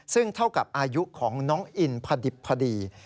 ซึ่งเท่ากับอายุของน้องอินพอดิบพอดี